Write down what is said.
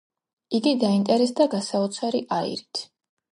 იგი დაინტერესდა გასაოცარი აირით.